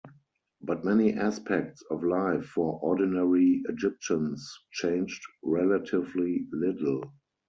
But many aspects of life for ordinary Egyptians changed relatively little.